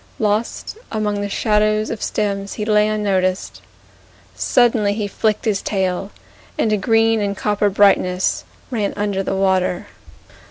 Lost among the shadows of stems He lay unnoticed. Suddenly he flicked his tail, And a green and copper brightness Ran under the water.